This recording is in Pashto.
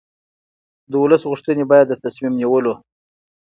د ولس غوښتنې باید د تصمیم نیولو